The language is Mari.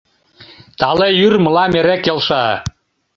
Тале йӱр мылам эре келша.